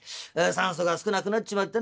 酸素が少なくなっちまってな